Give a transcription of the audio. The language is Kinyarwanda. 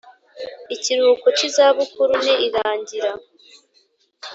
ikiruhuko cy’izabukuru ni irangira